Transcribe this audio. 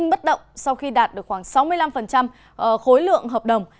bất động sau khi đạt được khoảng sáu mươi năm khối lượng hợp đồng